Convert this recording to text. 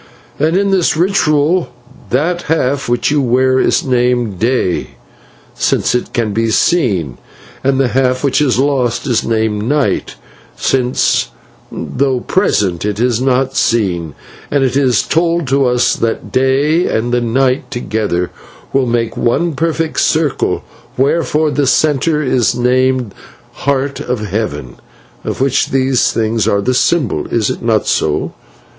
and in this ritual that half which you wear is named 'Day' since it can be seen, and that half which is lost is named 'Night,' since, though present, it is not seen, and it is told to us that the 'Day' and the 'Night' together will make one perfect circle, whereof the centre is named the 'Heart of Heaven,' of which these things are the symbol. Is it not so?"